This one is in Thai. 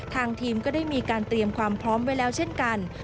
ทางทีมก็ได้มีการเตรียมความพร้อมไว้แล้วเช่นกัน